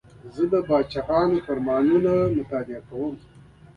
زه د پاچاهانو فرمانونه مطالعه کوم.